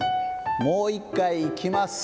もう１回いきます。